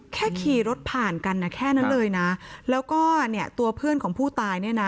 ขี่รถผ่านกันนะแค่นั้นเลยนะแล้วก็เนี่ยตัวเพื่อนของผู้ตายเนี่ยนะ